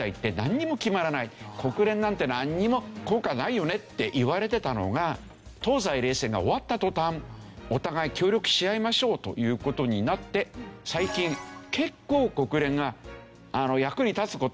国連なんてなんにも効果ないよねって言われてたのが東西冷戦が終わった途端お互い協力し合いましょうという事になって最近結構国連が役に立つ事が増えてきた。